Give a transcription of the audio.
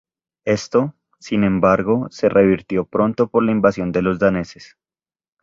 Esto, sin embargo, se revirtió pronto por la invasión de los daneses.